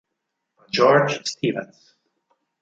A George Stevens